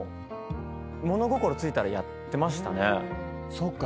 そっか。